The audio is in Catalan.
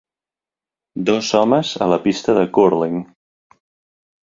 Dos homes a la pista de cúrling.